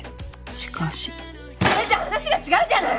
しかしそれじゃあ話が違うじゃない！